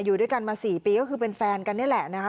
อยู่ด้วยกันมา๔ปีก็คือเป็นแฟนกันนี่แหละนะคะ